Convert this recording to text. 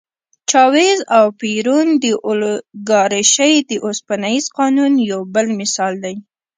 چاوېز او پېرون د اولیګارشۍ د اوسپنيز قانون یو بل مثال دی.